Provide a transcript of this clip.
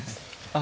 あ。